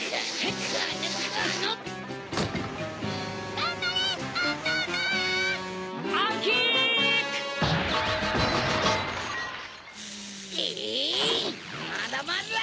まだまだ！